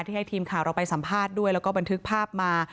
ให้ทีมข่าวเราไปสัมภาษณ์ด้วยแล้วก็บันทึกภาพมา